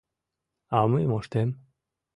— А мый моштем.